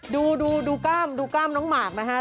ดูกล้ามน้องหมากนะฮะ